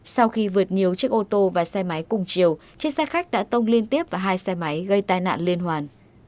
sau khi vượt nhiều chiếc ô tô và xe máy cùng chiều chiếc xe khách đã tông liên tiếp vào hai xe máy gây tai nạn liên hoàn